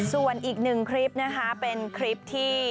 ส่วนอีกหนึ่งคลิปนะคะเป็นคลิปที่